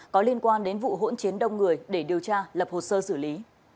có liên quan đến vụ hỗn chiến đông người để điều tra lập hồ sơ xử lý